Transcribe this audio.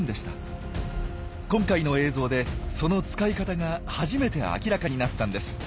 今回の映像でその使い方が初めて明らかになったんです。